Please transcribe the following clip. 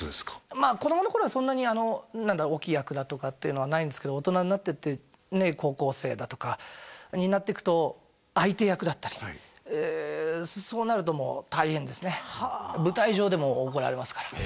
まあ子供の頃はそんなに大きい役だとかはないんですけど大人になってって高校生だとかになっていくと相手役だったりそうなるともう大変ですね舞台上で？